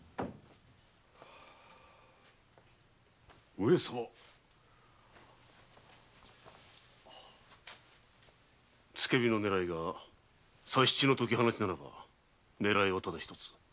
上様付け火の狙いが佐七の解き放しならば狙いはただ一つ。